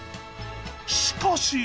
しかし